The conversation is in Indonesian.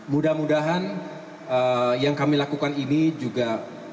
mudah mudahan yang kami lakukan ini juga